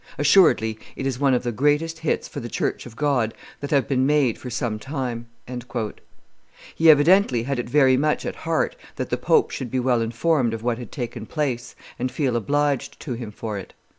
Assuredly it is one of the greatest hits for the church of God that have been made for some time." He evidently had it very much at heart that the pope should be well informed of what had taken place, and feel obliged to him for it.